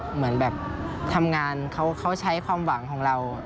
เหมือนแบบทำงานเขาใช้ความหวังของเรา